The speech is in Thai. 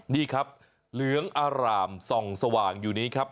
นี่ครับเหลืองอร่ามส่องสว่างอยู่นี้ครับ